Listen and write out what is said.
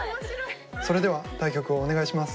それでは対局をお願いします。